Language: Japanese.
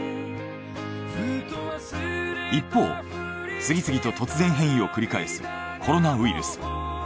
一方次々と突然変異を繰り返すコロナウイルス。